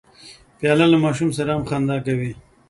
پیاله له ماشوم سره هم خندا کوي.